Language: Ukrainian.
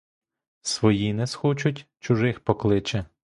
Свої не схочуть, чужих покличе.